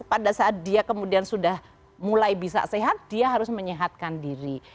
pada saat dia kemudian sudah mulai bisa sehat dia harus menyehatkan diri